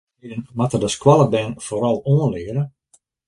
Watfoar feardichheden moat de skoalle bern foaral oanleare?